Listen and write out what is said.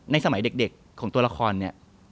สมัยเด็กของตัวละครเนี่ย